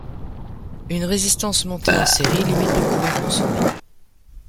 Une résistance montée en série limite le courant consommé.